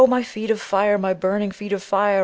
My feet of fire! My burning feet of fire!